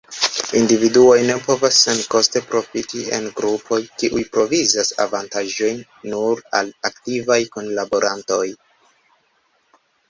Individuoj ne povos senkoste profiti en grupoj, kiuj provizas avantaĝojn nur al aktivaj kunlaborantoj.